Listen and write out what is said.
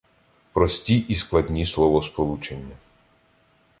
Прості і складні словосполучення